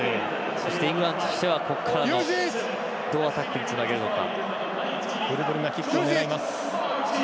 イングランドとしてはここから、どうアタックにつなげるのか。